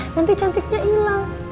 nanti cantiknya ilang